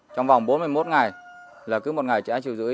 trong vòng bốn mươi một ngày là cứ một ngày trả một triệu rưỡi